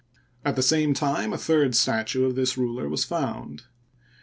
At the same place a third statue of this ruler was found.